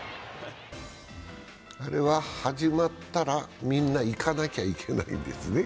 あれは始まったら、みんな行かなきゃいけないんですね。